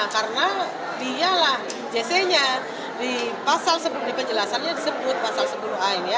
karena dialah jc nya di pasal sepuluh a di penjelasannya disebut pasal sepuluh a ini ya